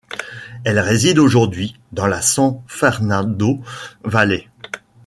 Elle réside aujourd'hui dans la San Fernando Valley.